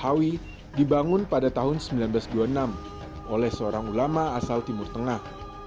hawi dibangun pada tahun seribu sembilan ratus dua puluh enam oleh seorang ulama asal timur tengah